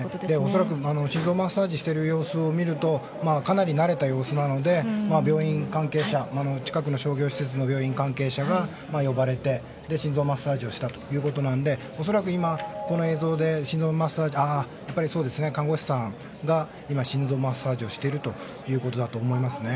恐らく心臓マッサージしている様子を見るとかなり慣れた様子なので近くの商業施設の病院関係者が呼ばれて心臓マッサージをしたということなので恐らく、今この映像で看護師さんが心臓マッサージをしているということだと思います。